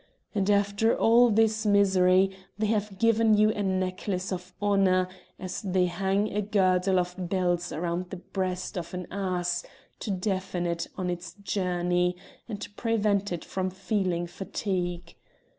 And after all this misery they have given you a necklace of honour, as they hang a girdle of bells round the breast of an ass to deafen it on its journey, and prevent it from feeling fatigue.